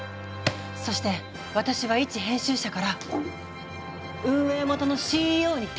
そして私はいち編集者から運営元のＣＥＯに転身する。